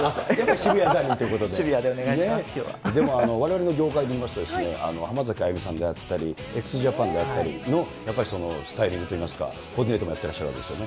渋谷でお願いします、きょうでも、われわれの業界でいいますとですね、浜崎あゆみさんであったり、ＸＪＡＰＡＮであったりの、やっぱりそのスタイリングといいますか、コーディネートもやってらっしゃるわけですよね。